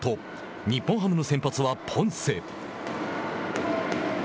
日本ハムの先発はポンセ。